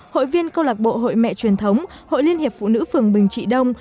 hệ truyền thống hội liên hiệp phụ nữ phường bình trị đông